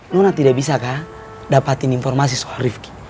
nona tidak bisa kah dapetin informasi soal rifqi